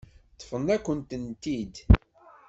Ṭṭfen-akent-ten-id.